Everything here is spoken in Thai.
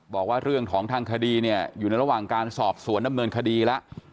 บอกว่าเรื่องของทางคดีเนี่ยอยู่ในระหว่างการสอบสวนดำเนินคดีแล้ว